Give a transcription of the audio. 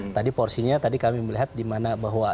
tadi porsinya tadi kami melihat dimana bahwa